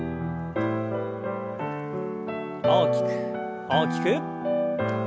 大きく大きく。